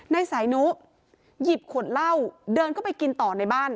นายสายนุหยิบขวดเหล้าเดินเข้าไปกินต่อในบ้าน